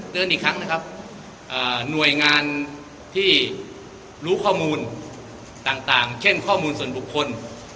เรียนอีกครั้งนะครับหน่วยงานที่รู้ข้อมูลต่างเช่นข้อมูลส่วนบุคคล